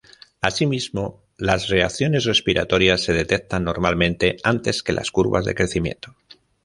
Asimismo, las reacciones respiratorias se detectan normalmente antes que las curvas de crecimiento.